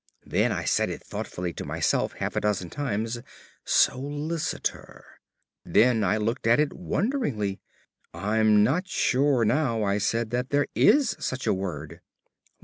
Then I said it thoughtfully to myself half a dozen times "Solicitor." Then I looked at it wonderingly. "I am not sure now," I said, "that there is such a word."